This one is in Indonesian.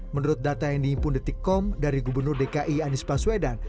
menurut data yang diimpun detikkom dari gubernur dki anies baswedan